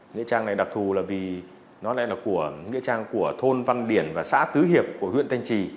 nghĩa trang này đặc thù là vì nó lại là của thôn văn điển và xã tứ hiệp của huyện tây trì